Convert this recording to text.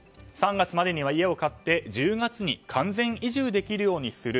３月までには家を買って１０月に完全移住できるようにする。